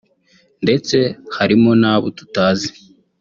ndetse harimo n’abo tutazi